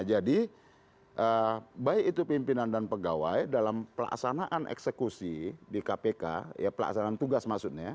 jadi baik itu pimpinan dan pegawai dalam pelaksanaan eksekusi di kpk pelaksanaan tugas maksudnya